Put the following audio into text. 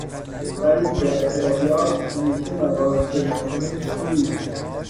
ولی در ادبیات همیشه موارد ملموس نیست